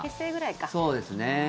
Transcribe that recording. そうですね。